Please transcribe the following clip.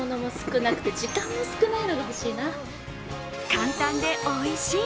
簡単でおいしい。